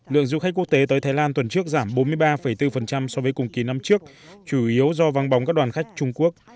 lượng du khách quốc tế tới thái lan tuần trước giảm bốn mươi ba bốn so với cùng kỳ năm trước chủ yếu do văng bóng các đoàn khách trung quốc